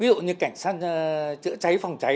ví dụ như cảnh sát chữa cháy phòng chống